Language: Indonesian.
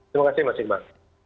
terima kasih mas iqbal